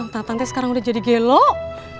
tapante sekarang udah jadi gelok